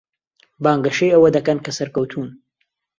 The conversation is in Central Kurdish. بانگەشەی ئەوە دەکەن کە سەرکەوتوون.